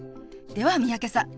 では三宅さん